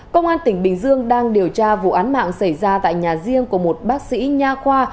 công an tỉnh bình dương đang điều tra vụ án mạng xảy ra tại nhà riêng của một bác sĩ nha khoa